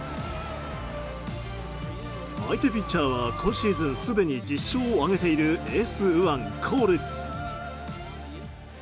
相手ピッチャーは今シーズンすでに１０勝を挙げているエース右腕、コール。